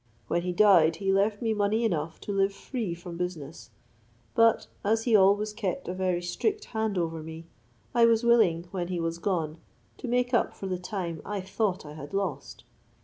When he died, he left me money enough to live free from business; but as he always kept a very strict hand over me, I was willing, when he was gone, to make up for the time I thought I had lost.